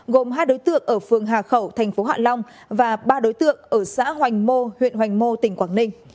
gồm hai đối tượng ở phường hà khẩu thành phố hạ long và ba đối tượng ở xã hoành mô huyện hoành mô tỉnh quảng ninh